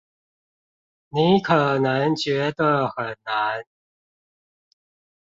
你可能覺得很難